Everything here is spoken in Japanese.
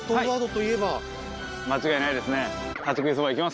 間違いないですね。